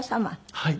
はい。